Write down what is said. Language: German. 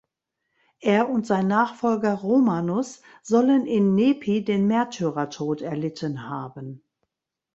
Er und sein Nachfolger Romanus sollen in Nepi den Märtyrertod erlitten haben.